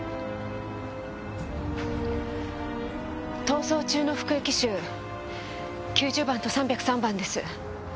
逃走中の服役囚９０番と３０３番です。